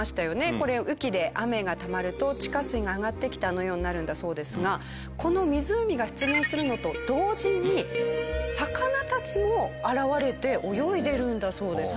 これ雨期で雨がたまると地下水が上がってきてあのようになるんだそうですがこの湖が出現するのと同時に魚たちも現れて泳いでいるんだそうです。